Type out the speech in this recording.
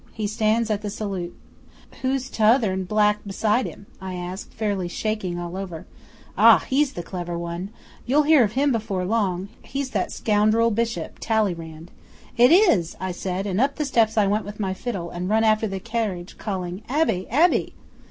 He stands at the salute. '"Who's t'other in black beside him?" I asks, fairly shaking all over. '"Ah! he's the clever one. You'll hear of him before long. He's that scoundrel bishop, Talleyrand." '"It is!" I said, and up the steps I went with my fiddle, and run after the carriage calling, "Abbe, Abbe!"